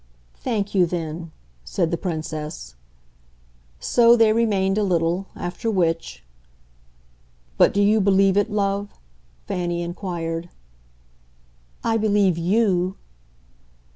"Thank you then," said the Princess. So they remained a little; after which, "But do you believe it, love?" Fanny inquired. "I believe YOU."